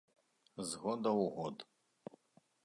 З года ў год.